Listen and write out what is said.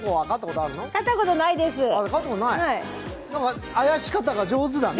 あやし方が上手だね。